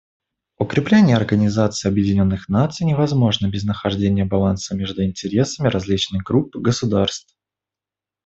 Укрепление Организации Объединенных Наций невозможно без нахождения баланса между интересами различных групп государств.